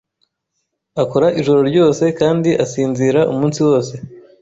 Akora ijoro ryose kandi asinzira umunsi wose.